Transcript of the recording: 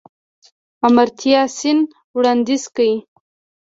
آمارتیا سېن وړانديز کړی.